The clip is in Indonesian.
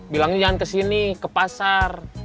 bilangnya jangan kesini ke pasar